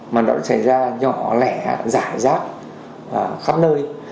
mà nó cũng xảy ra nhỏ lẻ giải rác khắp nơi